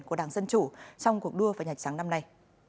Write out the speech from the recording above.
của đảng dân chủ trong cuộc đua vào nhà trắng năm nay